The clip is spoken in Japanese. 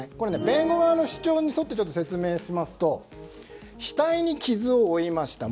弁護側の主張に沿って説明しますと額に傷を負いました